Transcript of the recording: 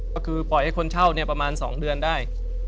ก็คือปล่อยให้คนเช่าประมาณ๒เดือนได้